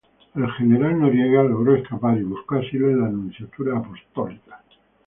El General Noriega logró escapar y buscó asilo en la Nunciatura Apostólica.